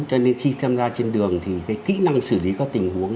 cho nên khi tham gia trên đường thì kỹ năng xử lý các tình huống